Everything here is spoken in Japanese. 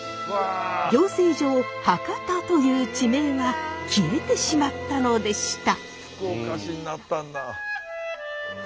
行政上博多という地名は消えてしまったのでした。